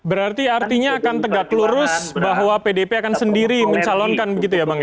berarti artinya akan tegak lurus bahwa pdip akan sendiri mencalonkan begitu ya bang ya